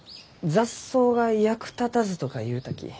「雑草が役立たず」とか言うたき。